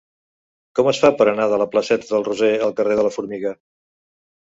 Com es fa per anar de la placeta del Roser al carrer de la Formiga?